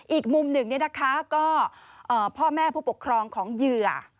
อีกมุมหนึ่งก็พ่อแม่ผู้ปกครองของเหยื่อ